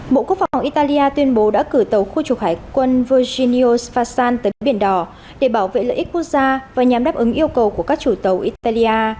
bộ quốc phòng italia tuyên bố đã cử tàu khu trục hải quân virginio sfassan tới biển đỏ để bảo vệ lợi ích quốc gia và nhắm đáp ứng yêu cầu của các chủ tàu italia